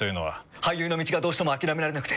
俳優の道がどうしても諦められなくて。